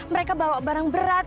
mereka bawa barang berat